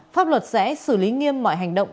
pháp luật sẽ xử lý nghiêm mọi hành động